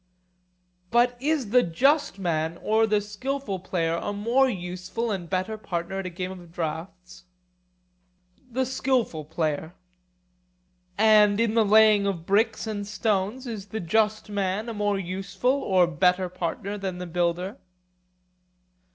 But is the just man or the skilful player a more useful and better partner at a game of draughts? The skilful player. And in the laying of bricks and stones is the just man a more useful or better partner than the builder?